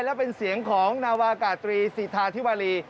และเป็นเสียงของนาวากาตรีสิทธาธิวารี